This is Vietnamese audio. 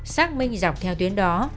xác minh dọc theo tuyến đó